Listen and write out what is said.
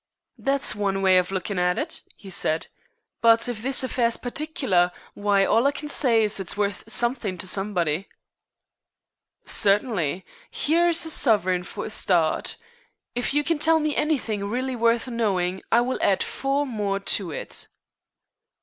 "That's one w'y of lookin' at it," he said, "but if this affair's pertickler, why, all I can s'y is it's worth somethin' to somebody." "Certainly. Here's a sovereign for a start. If you can tell me anything really worth knowing I will add four more to it."